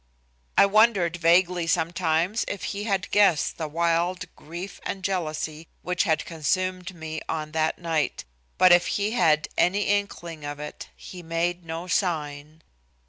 I wondered vaguely sometimes if he had guessed the wild grief and jealousy which had consumed me on that night, but if he had any inkling of it he made no sign.